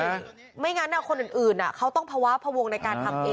ไม่งั้นคนอื่นเขาต้องภาวะพวงในการทำเอง